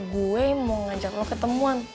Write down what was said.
gue mau ngajak lo ketemuan